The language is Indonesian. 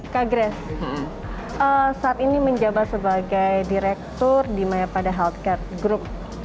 kak grace saat ini menjabat sebagai direktur di maya pada health care group